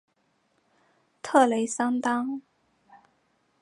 特雷桑当。